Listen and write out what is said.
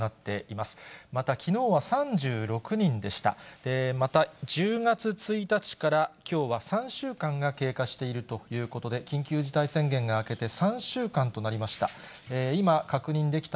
また１０月１日から、きょうは３週間が経過しているということで、緊急事態宣言が明けて３週間となりました。